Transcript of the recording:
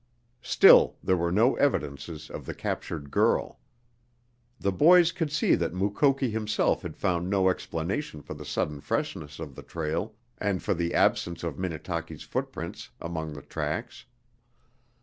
Still there were no evidences of the captured girl. The boys could see that Mukoki himself had found no explanation for the sudden freshness of the trail and for the absence of Minnetaki's footprints among the tracks.